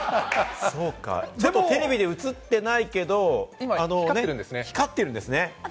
テレビで映ってないけれども、光ってるんですね。